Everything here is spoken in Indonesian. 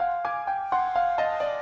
umi aku mau ke rumah